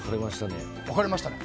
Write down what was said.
分かれましたね。